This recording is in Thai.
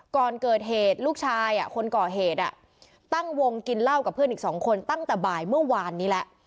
ก่อนเกิดเหตุลูกชายคนก่อเหตุตั้งวงกินเหล้ากับเพื่อนอีกสองคนตั้งแต่บ่ายเมื่อวานนี้แล้ว